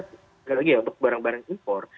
sekali lagi ya untuk barang barang impor